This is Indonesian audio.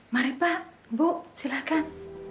mari pak ibu silahkan